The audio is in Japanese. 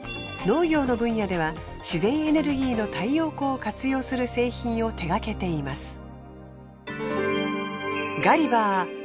農業の分野では自然エネルギーの太陽光を活用する製品を手がけています。